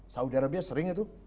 saudara saudara sering itu